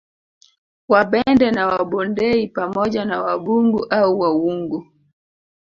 Wabende na Wabondei pamoja na Wabungu au Wawungu